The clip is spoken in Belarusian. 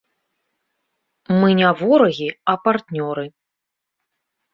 Мы не ворагі, а партнёры.